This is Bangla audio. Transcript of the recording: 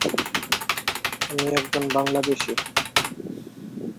তিনিই প্রথম নারী যিনি আফগান সরকারের মন্ত্রীসভার একজন সদস্য অর্থাৎ মন্ত্রী হয়েছিলেন।